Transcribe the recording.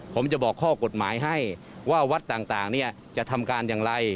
ผมจะบอกข้อกฎหมายให้ว่าวัดต่างเนี่ยจะทำการอย่างไร